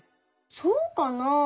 そうかな？